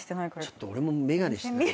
ちょっと俺も眼鏡してない。